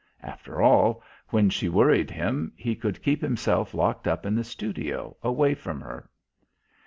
After all, when she worried him he could keep himself locked up in the studio away from her.